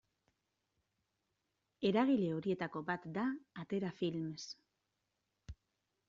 Eragile horietako bat da Atera Films.